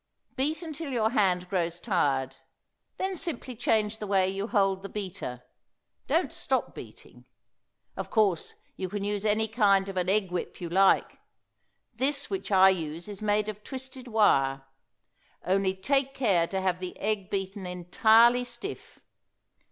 Beat until your hand grows tired, and then simply change the way you hold the beater. Don't stop beating. Of course you can use any kind of an egg whip you like. This which I use is made of twisted wire. Only take care to have the egg beaten entirely stiff.